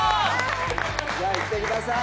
じゃあ行ってください。